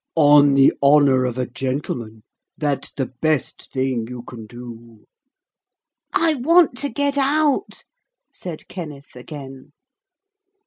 On the honour of a gentleman that's the best thing you can do.' 'I want to get out,' said Kenneth again.